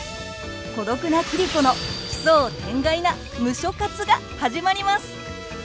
孤独な桐子の奇想天外な「ムショ活」が始まります！